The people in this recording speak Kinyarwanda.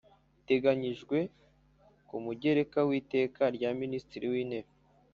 iteganyijwe ku mugereka w’iteka rya minisitiri w’intebe